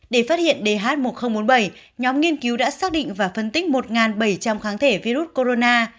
để phát hiện dh một nghìn bốn mươi bảy nhóm nghiên cứu đã xác định và phân tích một bảy trăm linh kháng thể virus corona